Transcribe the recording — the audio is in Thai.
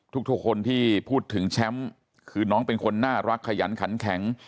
ทุกคนที่พูดถึงแชมป์คือน้องเป็นคนน่ารักขยันขันแข็ง